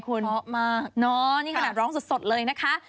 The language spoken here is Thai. เป็นอย่างไรคุณนี่ขนาดร้องสดเลยนะคะ